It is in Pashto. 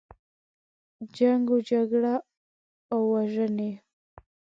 جنګ و جګړه او وژنې.